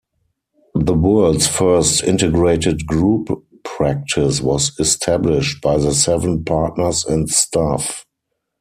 The world's first "integrated group practice" was established by the seven partners and staff.